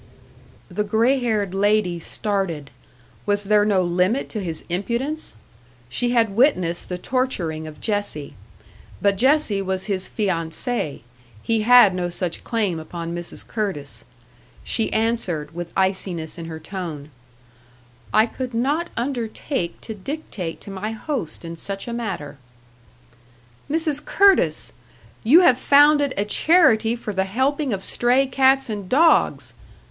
The grey haired lady started was there no limit to his impudence? She had witnessed the torturing of Jessie. But Jessie was his fiancée; he had no such claim upon Mrs. Curtis. She answered, with iciness in her tone: "I could not undertake to dictate to my host in such a matter." "Mrs. Curtis! You have founded a charity for the helping of stray cats and dogs!"